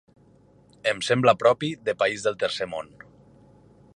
Em sembla propi de país del tercer món.